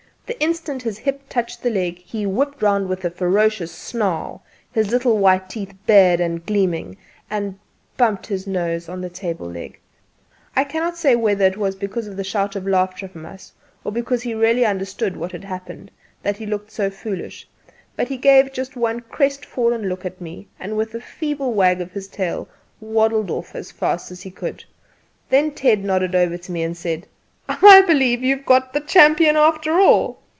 The instant his hip touched the leg, he whipped round with a ferocious snarl¬ his little white teeth bared and gleaming and bumped his nose against the table leg. I cannot say whether it was because of the shout of laughter from us, or because he really understood what had happened, that he looked so foolish, but he just gave one crestfallen look at me and with a feeble wag of his tail waddled off as fast as he could. Then Ted nodded over at me, and said: "I believe you have got the champion after all!"